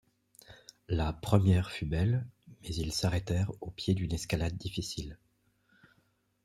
La 'première' fut belle mais ils s'arrêtèrent au pied d'une escalade difficile.